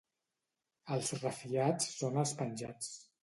Els refiats són els penjats.